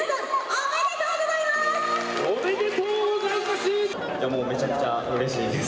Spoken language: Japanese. おめでとうございます！